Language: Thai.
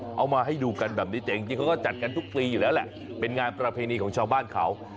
จะเอามาให้ดูกันทุกปีอยู่แล้วแหละเป็นงานประเภนีของชาวบ้านเขา